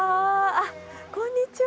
あっこんにちは！